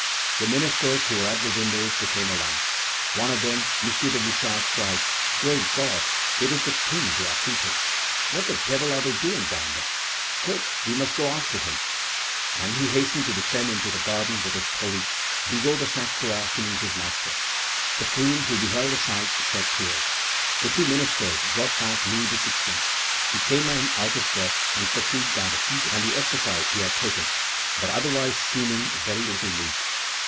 The ministers who were at the windows became alarmed. One of them, M. de Bouchage, cried: "Great God! it is the King they are hooting! What the devil are they doing down there? Quick; we must go after him!" And he hastened to descend into the garden with his colleague, Bigot de Sainte Croix, to meet his master. The Queen, who beheld the sight, shed tears. The two ministers brought back Louis XVI. He came in out of breath, and fatigued by the heat and the exercise he had taken, but otherwise seeming very little moved.